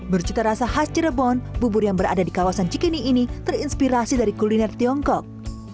bercita rasa khas cirebon bubur yang berada di kawasan cikini ini terinspirasi dari kuliner tiongkok